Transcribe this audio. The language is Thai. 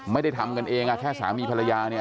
ไม่ได้ทำกันเองแค่สามีภรรยาเนี่ย